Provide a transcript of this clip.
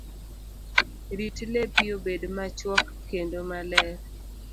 Rit lepi obed machuok kendo maler.